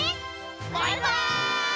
バイバイ！